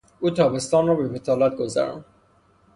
او تابستان را به بطالت گذراند.